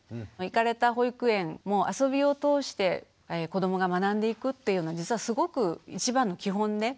行かれた保育園もあそびを通して子どもが学んでいくっていうの実はすごく一番の基本で。